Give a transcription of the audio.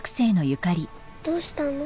どうしたの？